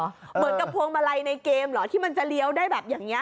เหมือนกับพวงมาลัยในเกมเหรอที่มันจะเลี้ยวได้แบบอย่างนี้